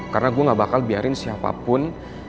karena gue gak bakal biarin siapapun